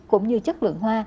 cũng như chất lượng hoa